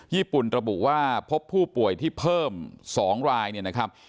ญี่ปุ่นระบุว่าพบผู้ป่วยที่เพิ่ม๒รายเนี่ยนะครับ